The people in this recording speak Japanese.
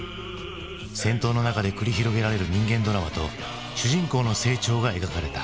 戦闘の中で繰り広げられる人間ドラマと主人公の成長が描かれた。